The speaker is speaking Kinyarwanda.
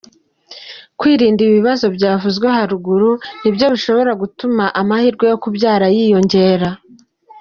Kwirinda ibi bibazo byavuzwe haruguru ni byo bishobora gutuma amahirwe yo kubyara yiyongera.